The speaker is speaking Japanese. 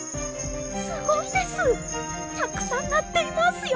すごいですたくさんなっていますよ！